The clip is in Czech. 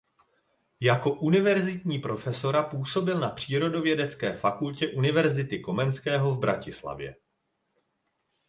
Jako univerzitní profesora působil na Přírodovědecké fakultě Univerzity Komenského v Bratislavě.